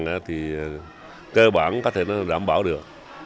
cơ sở hạ tầng thì cơ bản có thể nó đảm bảo được